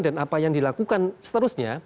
dan apa yang dilakukan seterusnya